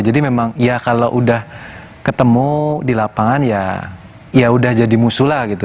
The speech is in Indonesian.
jadi memang ya kalau udah ketemu di lapangan ya ya udah jadi musuh lah gitu